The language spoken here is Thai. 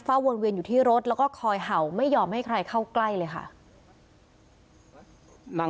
วนเวียนอยู่ที่รถแล้วก็คอยเห่าไม่ยอมให้ใครเข้าใกล้เลยค่ะ